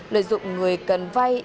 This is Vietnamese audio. lợi dụng người cần vai